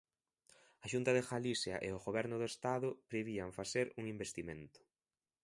A Xunta de Galicia e o Goberno do Estado prevían facer un investimento.